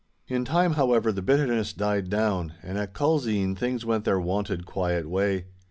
In time, however, the bitterness died down, and at Culzean things went their wonted quiet way.